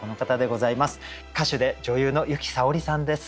歌手で女優の由紀さおりさんです。